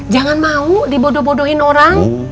jangan mau dibodoh bodohin orang